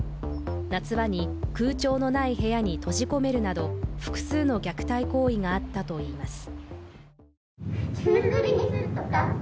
夏場に空調のない部屋に閉じ込めるなど複数の虐待行為があったといいます。